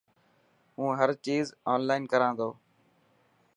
هون هر چيز اونلان ڪران تو.